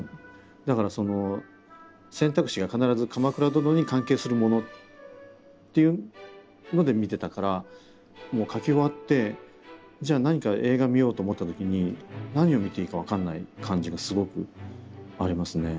だからその選択肢が必ず「鎌倉殿」に関係するものっていうので見てたからもう書き終わってじゃあ何か映画見ようと思った時に何を見ていいか分かんない感じがすごくありますね。